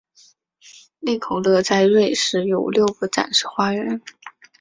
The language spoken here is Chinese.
利口乐在瑞士有六个展示花园。